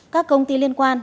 các công ty liên quan